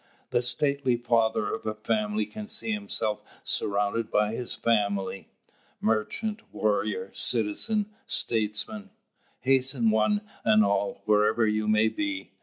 The stately father of a family can see himself surrounded by his family. Merchant, warrior, citizen, statesman hasten one and all, wherever you may be.